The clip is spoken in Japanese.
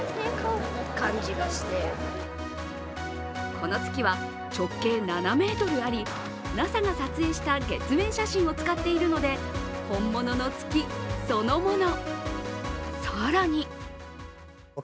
この月は直径７ｍあり、ＮＡＳＡが撮影した月面写真を使っているので本物の月そのもの。